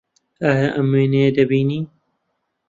ئایا ئەم وێنەیە دەبینی؟